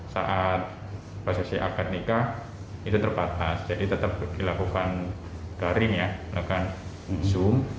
saat prosesi akad nikah itu terbatas jadi tetap dilakukan dari zoom